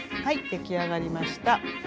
はいできあがりました！